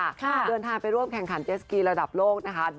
เดินทางไปร่วมแข่งขันเจสกีระดับโลกนะคะ